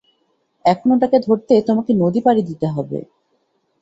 এখন ওটাকে ধরতে তোমাকে নদী পাড়ি দিতে হবে।